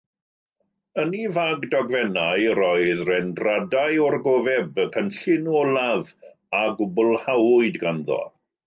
Yn ei fag dogfennau roedd rendradau o'r gofeb, y cynllun olaf a gwblhawyd ganddo.